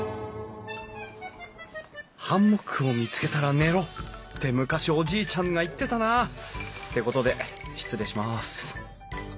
「ハンモックを見つけたら寝ろ」って昔おじいちゃんが言ってたな。ってことで失礼します